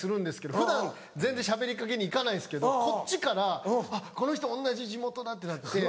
普段全然しゃべりかけに行かないんですけどこっちから「この人同じ地元だ」ってなって。